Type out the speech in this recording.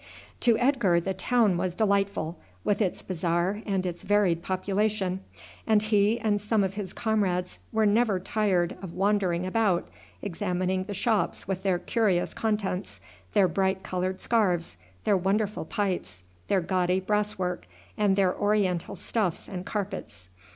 To Edgar the town was delightful, with its bazaar and its varied population, and he and some of his comrades were never tired of wandering about examining the shops with their curious contents, their bright coloured scarves, their wonderful pipes, their gaudy brasswork, and their oriental stuffs and carpets.